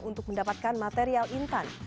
untuk mendapatkan material intan